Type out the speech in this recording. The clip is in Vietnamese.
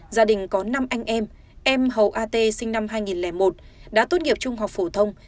gia đình có năm anh em em hầu a t sinh năm hai nghìn một đã tốt nghiệp trung học phổ thông